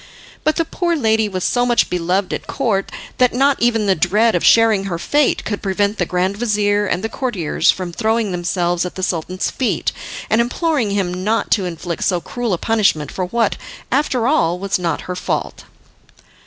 But the poor lady was so much beloved at Court that not even the dread of sharing her fate could prevent the grand vizir and the courtiers from throwing themselves at the Sultan's feet and imploring him not to inflict so cruel a punishment for what, after all, was not her fault.